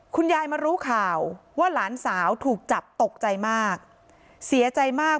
คุณยายมารู้ข่าวว่าหลานสาวถูกจับตกใจมากเสียใจมาก